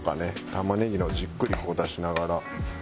玉ねぎのをじっくり出しながら。